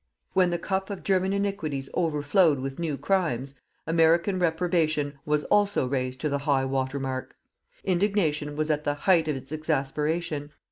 When the cup of German iniquities overflowed with new crimes, American reprobation was also raised to the high water mark. Indignation was at the height of its exasperation.